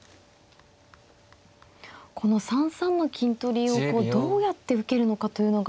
この３三の金取りをどうやって受けるのかというのが。